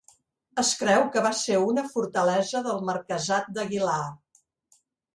Es creu que va ser una fortalesa del Marquesat d'Aguilar.